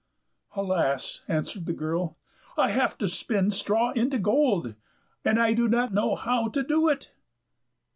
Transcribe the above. "Alas!" answered the girl, "I have to spin straw into gold, and I do not know how to do it."